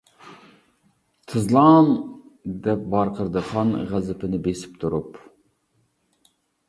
-تىزلان! ، -دەپ ۋارقىرىدى خان غەزىپىنى بېسىپ تۇرۇپ.